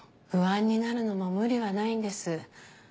不安になるのも無理はないんです。